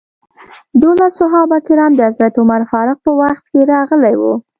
دولس صحابه کرام د حضرت عمر فاروق په وخت کې راغلي وو.